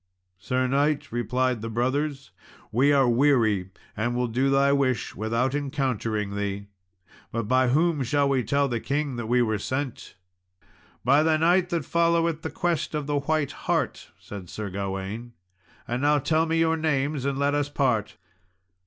"Sir knight," replied the brothers, "we are weary, and will do thy wish without encountering thee; but by whom shall we tell the king that we were sent?" "By the knight that followeth the quest of the white hart," said Sir Gawain. "And now tell me your names, and let us part."